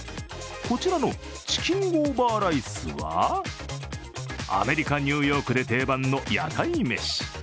こちらのチキンオーバーライスはアメリカ・ニューヨークで定番の屋台飯。